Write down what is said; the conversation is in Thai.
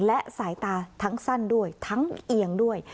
และสายตาทั้งสั้นด้วยทั้งเอียงด้วย